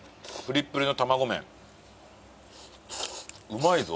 うまいぞ。